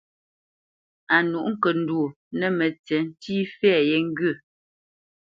A nûʼ ŋkəndwô nə̂ mətsiʼ ntî fɛ̌ yé ŋgyə̂.